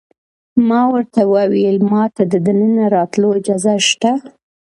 ما ورته وویل: ما ته د دننه راتلو اجازه شته؟